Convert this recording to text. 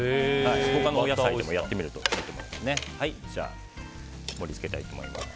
他のお野菜でもやってみるといいと思います。